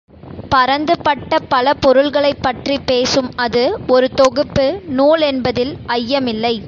பரந்து பட்ட பல பொருள்களைப் பற்றிப் பேசும் அது ஒரு தொகுப்பு நூலென்பதில் ஐயமில்லை.